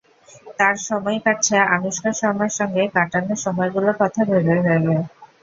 তাঁর সময় কাটছে আনুশকা শর্মার সঙ্গে কাটানো সময়গুলোর কথা ভেবে ভেবে।